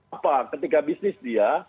apa ketika bisnis dia